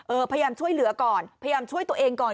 พยายามช่วยเหลือก่อนพยายามช่วยตัวเองก่อน